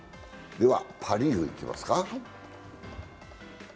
ではパ・リーグいきますか。